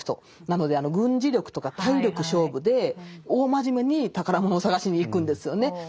なので軍事力とか体力勝負で大真面目に宝物を探しに行くんですよね。